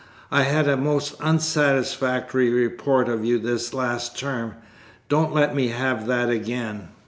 I had a most unsatisfactory report of you this last term; don't let me have that again.